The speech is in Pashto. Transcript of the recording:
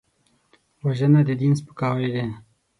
وژنه د دین سپکاوی دی